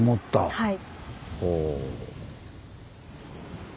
はい。